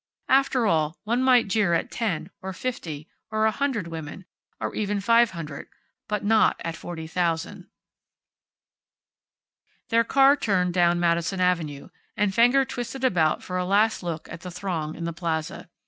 After all, one might jeer at ten, or fifty, or a hundred women, or even five hundred. But not at forty thousand. Their car turned down Madison Avenue, and Fenger twisted about for a last look at the throng in the plaza.